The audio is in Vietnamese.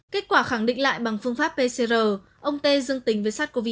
kết quả khẳng định lại bằng phương pháp pcr ông tê dương tính với sars cov hai